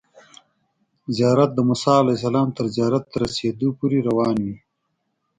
زیارت د موسی علیه السلام تر زیارت ته رسیدو پورې روان وي.